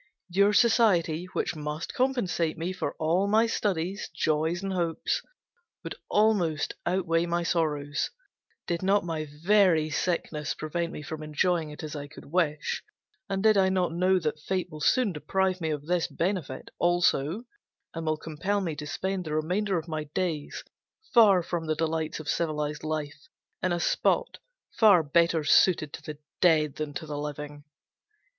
Your society, which must compensate me for all my studies, joys, and hopes, would almost outweigh my sorrows, did not my very sickness prevent me from enjoying it as I could wish, and did I not know that Fate will soon deprive me of this benefit, also, and will compel me to spend the remainder of my days, far from all the delights of civilized life, in a spot, far better suited to the dead than to the living.